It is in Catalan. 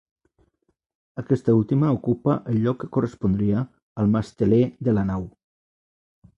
Aquesta última ocupa el lloc que correspondria al masteler de la nau.